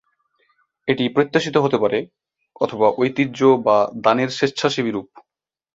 এটি প্রত্যাশিত হতে পারে, অথবা ঐতিহ্য বা দানের স্বেচ্ছাসেবী রূপ।